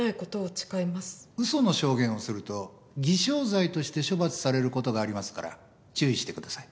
嘘の証言をすると偽証罪として処罰されることがありますから注意してください。